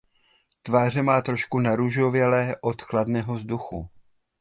Tváře má trošku narůžovělé od chladného vzduchu.